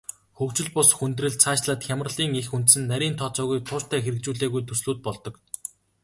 Хөгжил бус хүндрэл, цаашлаад хямралын эх үндэс нь нарийн тооцоогүй, тууштай хэрэгжүүлээгүй төслүүд болдог.